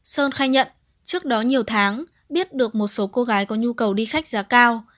sơn khai nhận trước đó nhiều tháng biết được một số cô gái có nhu cầu đi khách giá cao